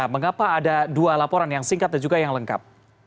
mengapa ada dua laporan yang singkat dan juga yang lengkap